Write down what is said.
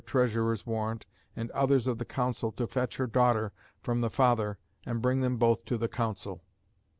Treasurer's warrant and others of the Council to fetch her daughter from the father and bring them both to the Council."